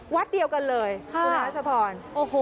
วัดเดียวกันเลยคุณอาชพร